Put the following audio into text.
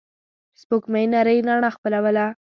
سپوږمۍ نرۍ رڼا خپروله.